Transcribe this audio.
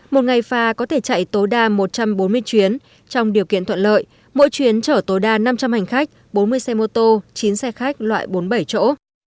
một ngày phà có thể chạy tối đa một trăm bốn mươi chuyến trong điều kiện thuận lợi mỗi chuyến chở tối đa năm trăm linh hành khách bốn mươi xe mô tô chín xe khách loại bốn mươi bảy chỗ